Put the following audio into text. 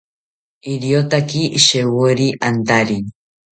Iriotaki shewori antari